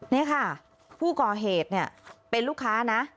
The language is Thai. นี่ค่ะผู้ก่อเหตุเนี่ยเป็นลูกค้านะ